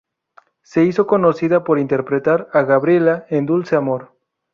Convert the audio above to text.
Se hizo conocida por interpretar a "Gabriela" en "Dulce Amor".